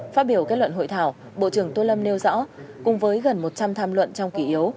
phát biểu kết luận hội thảo bộ trưởng tô lâm nêu rõ cùng với gần một trăm linh tham luận trong kỷ yếu